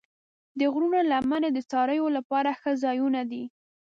د غرونو لمنې د څارویو لپاره ښه ځایونه دي.